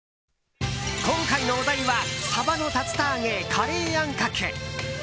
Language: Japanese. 今回のお題はサバの竜田揚げカレーあんかけ。